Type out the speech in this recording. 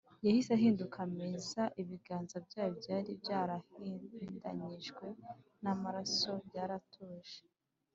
yahise ahinduka meza, ibiganza byabo byari byarahindanyijwe n’amaraso byaratuje